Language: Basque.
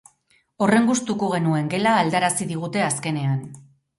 Horren gustuko genuen gela aldarazi digute azkenean.